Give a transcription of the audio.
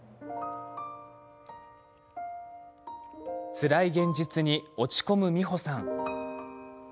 つらい現実に落ち込む美保さん。